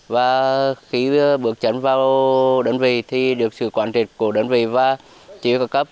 và khi bước chấn vào đơn vị thì được sự quản triệt của đơn vị và chỉ huy cơ cấp